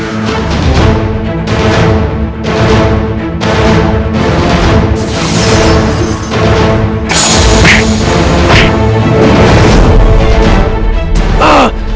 aku akan menang